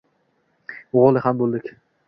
O`g`illi ham bo`ldik